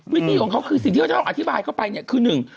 วิธีของเขาคือสิ่งที่เขาจะต้องอธิบายเข้าไปเนี่ยคือหนึ่ง